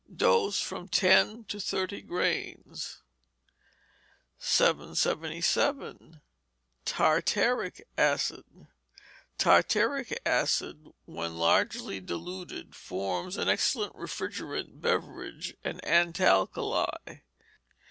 Dose, from ten to thirty grains. 777. Tartaric Acid Tartaric Acid, when largely diluted, forms an excellent refrigerant beverage and antalkali.